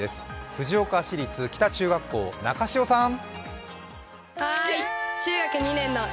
藤岡市立北中学校、中塩さーん。